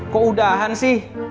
kok udahan sih